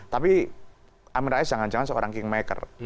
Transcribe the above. tapi amin rais jangan jangan seorang kingmaker